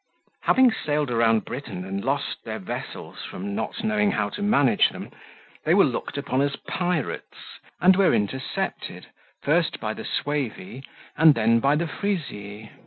Having sailed around Britain and lost their vessels from not knowing how to manage them, they were looked upon as pirates and were intercepted, first by the Suevi and then by the Frisii.